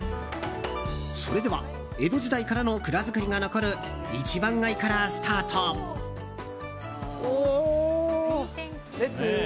それでは江戸時代からの蔵造りが残る一番街からスタート。